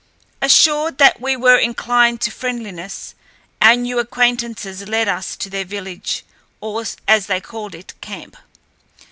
Assured that we were inclined to friendliness, our new acquaintances led us to their village, or, as they call it, camp.